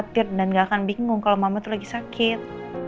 nanti kita bisa berhenti khawatir dan nggak akan bingung kalau mama lagi sakit